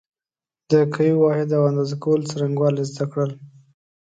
د قوې واحد او اندازه کولو څرنګوالی زده کړل.